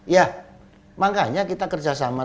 ya makanya kita kerjasama